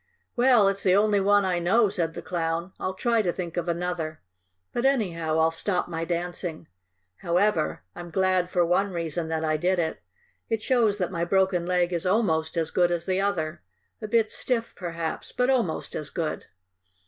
"Well, it's the only one I know," said the Clown. "I'll try to think of another. But, anyhow, I'll stop my dancing. However, I'm glad for one reason that I did it. It shows that my broken leg is almost as good as the other. A bit stiff, perhaps, but almost as good."